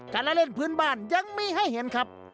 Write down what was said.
การละเล่นพื้นบ้านยังมีให้เห็นครับ